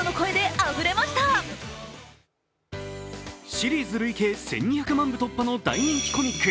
シリーズ累計１２００万部突破の大人気コミック